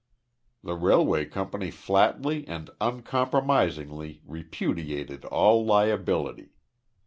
The railway company flatly and uncompromisingly repudiated all liability.